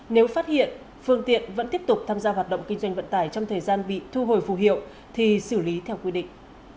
nếu phát hiện phương tiện vẫn tiếp tục tham gia hoạt động kinh doanh vận tải trong thời gian bị thu hồi phù hiệu thì xử lý theo quy định